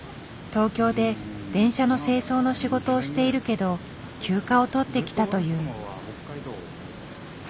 東京で電車の清掃の仕事をしているけど休暇を取って来たという。